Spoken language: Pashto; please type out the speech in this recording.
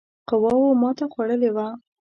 قواوو ماته خوړلې وه.